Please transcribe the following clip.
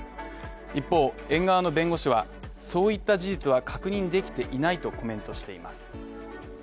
一方、園側の弁護士は、そういった事実は確認できていないとコメントしています。